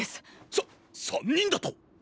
さっ３人だと⁉